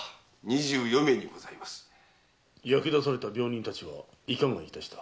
焼け出された病人たちはいかがいたした？